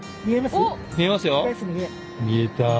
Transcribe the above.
見えた。